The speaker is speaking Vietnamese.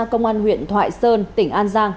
công an huyện thoại sơn tỉnh an giang